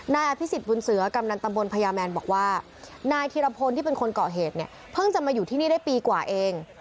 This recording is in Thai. นายอภิษฎบุญเสือกำนันตำบลพญาแมนบอกว่านายธีรพลที่เป็นคนเกาะเหตุเนี่ยเพิ่งจะมาอยู่ที่นี่ได้ปีกว่าเอง